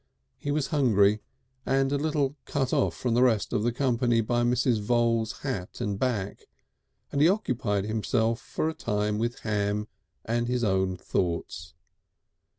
He was hungry, and a little cut off from the rest of the company by Mrs. Voules' hat and back, and he occupied himself for a time with ham and his own thoughts.